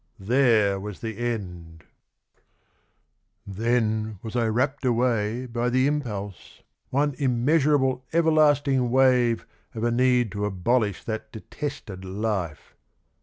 There was the end 1 Then was I rapt away by the impulse, one Immeasurable everlasting wave of a need To abolish that detested life.